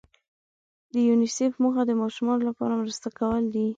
د یونیسف موخه د ماشومانو لپاره مرسته کول دي.